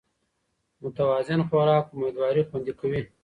متوازن خوراک امېدواري خوندي کوي